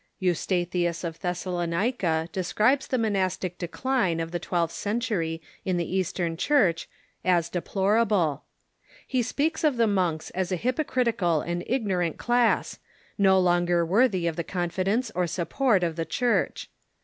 Eustathius of Thessalonica describes the monastic de cline of the twelfth century in the Eastern Church as deplora ble. He speaks of the monks as a hypoci itical and ignorant class, no longer worthy of the confidence or support of the Church.